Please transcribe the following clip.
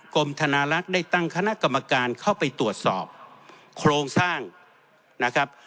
กรมธนารักษ์ได้ตั้งคณะกรรมการเข้าไปตรวจสอบโครงสร้างนะครับ